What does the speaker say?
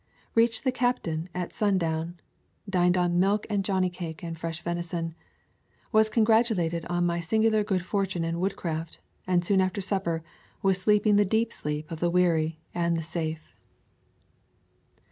Reached the captain at sun down. Dined on milk and johnny cake and fresh venison. Was congratulated on my sin gular good fortune and woodcraft, and soon after supper was sleeping the deep sleep of the weary and the safe.